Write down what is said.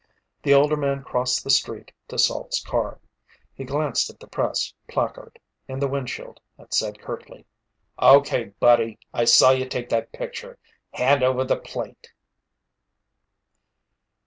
The older man crossed the street to Salt's car. He glanced at the "press" placard in the windshield and said curtly: "Okay, buddy! I saw you take that picture! Hand over the plate!"